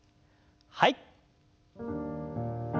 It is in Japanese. はい。